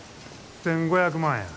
１，５００万や。